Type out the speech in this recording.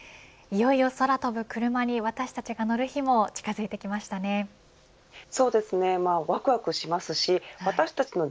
いよいよ空飛ぶクルマに私たちが乗る日も近づいてきましたね。